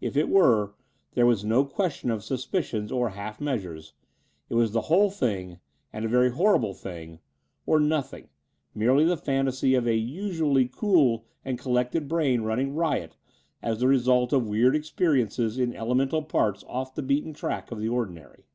If it were, there was no question of suspicions or half measures. It was the whole thing — ^and a very horrible thing — or nothing, merely the fantasy of a usually cool and collected brain nmning riot as the result of weird experiences in elemental parts off the beaten track of the ordinary.